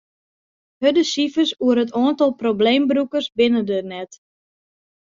Hurde sifers oer it oantal probleembrûkers binne der net.